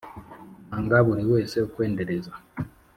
nanga buri wese ukwendereza